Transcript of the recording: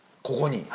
ここに？